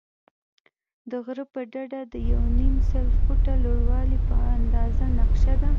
د غره پر ډډه د یو نیم سل فوټه لوړوالی په اندازه نقشه ده.